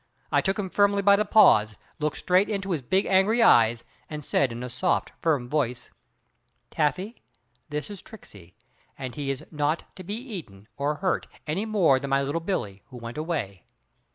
I took him firmly by the paws, looked straight into his big angry eyes and said in a soft, firm voice, "Taffy, this is Tricksey, and he is not to be eaten or hurt any more than my Little Billie who went away."